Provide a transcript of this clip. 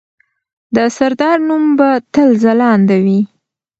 د سردار نوم به تل ځلانده وي.